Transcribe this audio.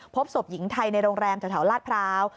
พบศพหญิงไทยในโรงแรมแถวลาดพร้าว